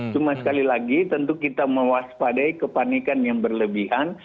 cuma sekali lagi tentu kita mewaspadai kepanikan yang berlebihan